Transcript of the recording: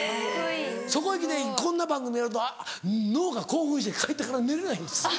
そこへ来てこんな番組やると脳が興奮して帰ってから寝れないんです。